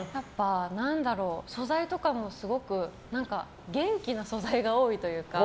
素材とかもすごく元気な素材が多いというか。